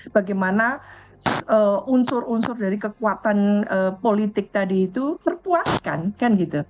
bagaimana unsur unsur dari kekuatan politik tadi itu terpuaskan kan gitu